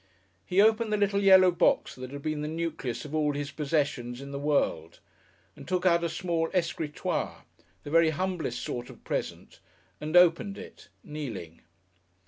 He opened the little yellow box that had been the nucleus of all his possessions in the world, and took out a small "Escritoire," the very humblest sort of present, and opened it kneeling.